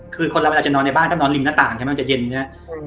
คือคนเราอาจจะนอนในบ้านต้องนอนริงหน้าต่างใช่ไหมมันจะเย็น